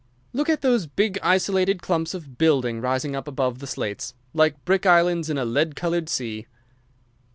"Look at those big, isolated clumps of building rising up above the slates, like brick islands in a lead coloured sea."